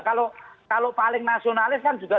kalau paling nasionalis kan juga